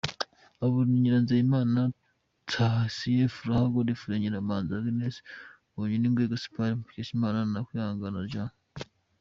Abo ni Nyiranizeyimana Talcie, Furaha Godfrey, Nyiramanzi Agnes, Bandorayingwe Gaspard, Mukeshimana na Kwihandagaza Jean.